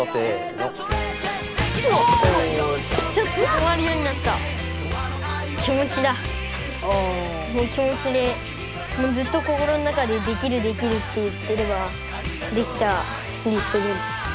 もう気持ちでずっと心の中で「できるできる」って言ってればできたりする。